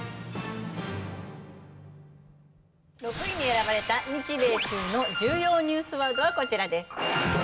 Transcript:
６位に選ばれた日米中の重要ニュースワードはこちらです。